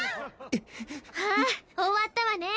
あっ終わったわね